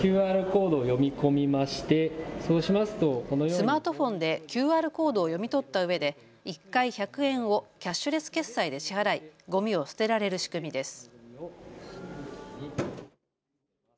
スマートフォンでＱＲコードを読み取ったうえで１回１００円をキャッシュレス決済で支払いごみを捨てられる仕組みです。